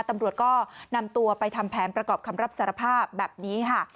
ตำรวจก็นำตัวไปทำแผนประกอบคำรับสารภาพแบบนี้ค่ะ